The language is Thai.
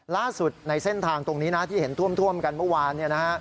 ในเส้นทางตรงนี้นะที่เห็นท่วมกันเมื่อวาน